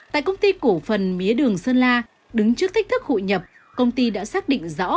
tại công ty cổ phần mía đường sơn la đứng trước thách thức hội nhập công ty đã xác định rõ